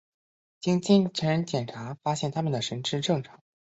经精神检查发现他们神智正常。